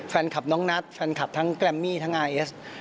แฟนคลับน้องนัทแฟนคลับทั้งแกรมมี่ทั้งอาร์เอส